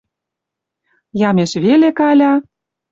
Ямеш веле Каля —